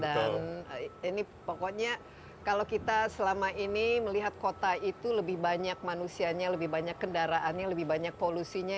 dan ini pokoknya kalau kita selama ini melihat kota itu lebih banyak manusianya lebih banyak kendaraannya lebih banyak polusinya